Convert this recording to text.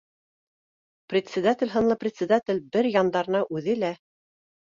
Председатель һынлы председатель бер яндарына үҙе лә